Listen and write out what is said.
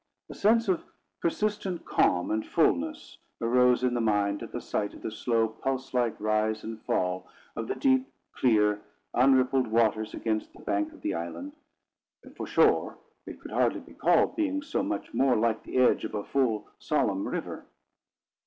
A sense of persistent calm and fulness arose in the mind at the sight of the slow, pulse like rise and fall of the deep, clear, unrippled waters against the bank of the island, for shore it could hardly be called, being so much more like the edge of a full, solemn river.